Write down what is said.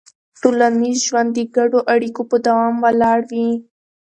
ټولنیز ژوند د ګډو اړیکو په دوام ولاړ وي.